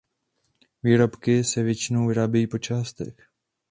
Výrobky se většinou vyrábějí po částech.